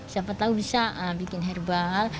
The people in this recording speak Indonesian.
siapa tahu bisa bikin herbal